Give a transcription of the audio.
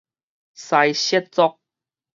獅設族